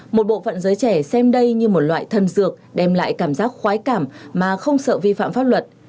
một bộ phận giới trẻ xem đây như một loại thân dược đem lại cảm giác khoái cảm mà không sợ vi phạm pháp luật